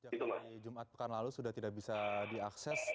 jadi sejak jumat pekan lalu sudah tidak bisa diakses